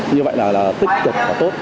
như vậy là tích cực và tốt